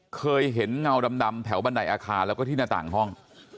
เคยเห็นเงาดำแถวบันไดอาคารแล้วก็ที่หน้าต่างห้อง